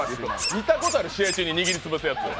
見たことない、試合中に握りつぶすやつ。